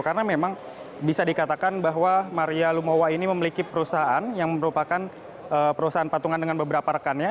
karena memang bisa dikatakan bahwa maria rumawa ini memiliki perusahaan yang merupakan perusahaan patungan dengan beberapa rekannya